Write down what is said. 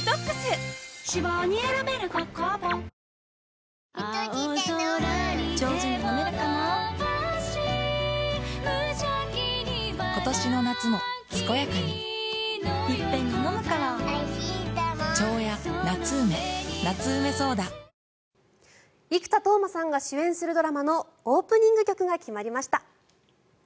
脂肪に選べる「コッコアポ」生田斗真さんが主演するドラマのオープニング曲が決まりました。